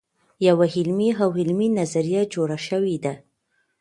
یوه علمي او عملي نظریه جوړه شوې ده.